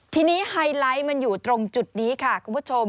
ทีนี้ไฮไลท์มันอยู่ตรงจุดนี้ค่ะคุณผู้ชม